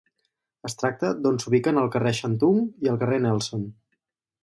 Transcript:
Es tracta d'on s'ubiquen el carrer Shantung i el carrer Nelson.